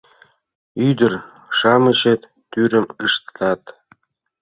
Ӱдыр-шамычет тӱрым ыштат.